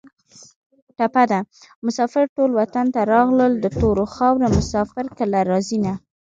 ټپه ده: مسافر ټول وطن ته راغلل د تورو خارو مسافر کله راځینه